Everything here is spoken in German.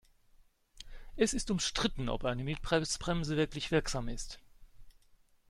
Es ist umstritten, ob eine Mietpreisbremse wirklich wirksam ist.